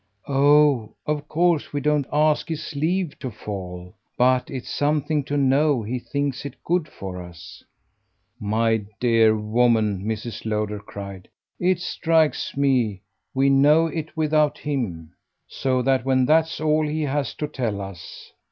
"Oh of course we don't ask his leave to fall. But it's something to know he thinks it good for us." "My dear woman," Mrs. Lowder cried, "it strikes me we know it without him. So that when THAT'S all he has to tell us